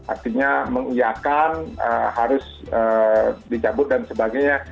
artinya mengiakan harus dicabut dan sebagainya